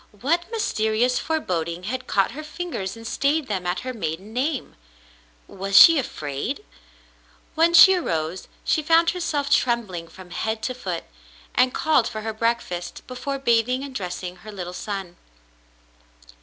What mysterious foreboding had caught her fingers and stayed them at her maiden name ? Was she afraid ? TNTien she arose, she found herself trembling from head to foot, and called for her breakfast, before bathing and dressing her little son.